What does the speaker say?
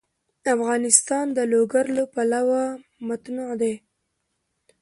افغانستان د لوگر له پلوه متنوع دی.